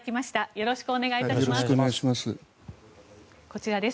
よろしくお願いします。